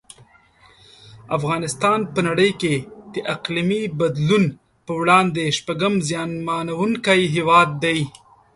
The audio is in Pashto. افغانستان په نړۍ کې د اقلیمي بدلون په وړاندې شپږم زیانمنونکی هیواد دی.